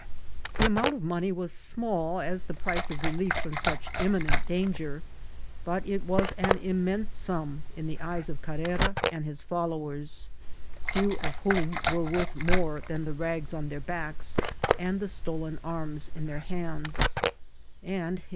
The amount of money was smsdl as the price of relief fr<Hn such imminent danger, but it was an immense sum in the eyes of Carrera and his follow ers, few of whom were worth more than the rags on their backs and the stolen arms in their hands ; and it CAmmBEA TRXVMPHANT.